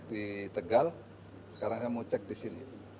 di tegal sekarang saya mau cek di sini